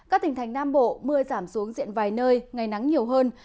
các tỉnh thành nam bộ mưa giảm xuống diện vài nơi ngày nắng nhiều hơn